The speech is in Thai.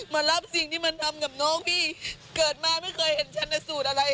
มารับสิ่งที่มันทำกับน้องพี่เกิดมาไม่เคยเห็นชันสูตรอะไร